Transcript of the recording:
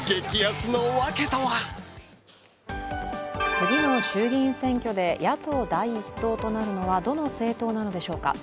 次の衆議院選挙で野党第一党となるのはどの政党なのでしょうか。